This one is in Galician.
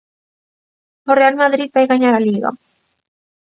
O real Madrid vai gañar a liga.